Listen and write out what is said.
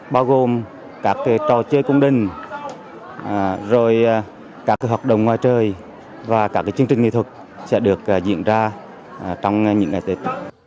bao gồm các trò chơi cung đình rồi các hoạt động ngoài trời và các chương trình nghệ thuật sẽ được diễn ra trong những ngày tết